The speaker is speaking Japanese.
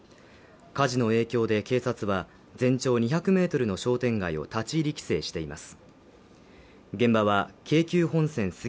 火事の影響で警察は、全長２００ｍの商店街を立ち入り規制しています。